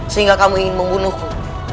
sehingga kamu ingin membunuhku